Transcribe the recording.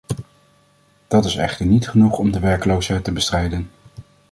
Dat is echter niet genoeg om de werkloosheid te bestrijden.